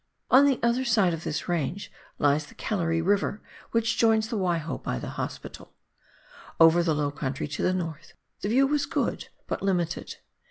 On the other side of this range lies the Gallery Hiver, which joins the Waiho by the Hospital. Over the low country to the north, the view was good, but limited.